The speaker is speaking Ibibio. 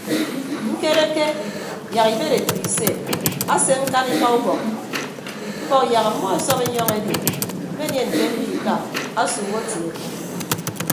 Ñkereke yak ibed etәk ise ase ñkanika ubọk mbọk yak ọmmọ esọp enyọñ edi mmenie nte mbiika asuuk atie.